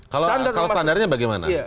kalau standarnya bagaimana